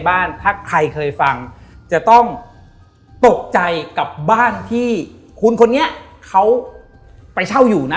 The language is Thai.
บ้านถ้าใครเคยฟังจะต้องตกใจกับบ้านที่คุณคนนี้เขาไปเช่าอยู่นะ